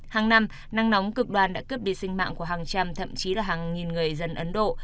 hàng năm nắng nóng cực đoan đã cướp đi sinh mạng của hàng trăm thậm chí là hàng nghìn người dân ấn độ